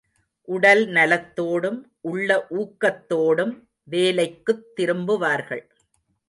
உடல் நலத்தோடும் உள்ள ஊக்கத்தோடும் வேலைக்குத் திரும்புவார்கள்.